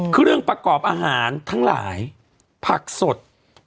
เครื่องประกอบอาหารทั้งหลายผักสด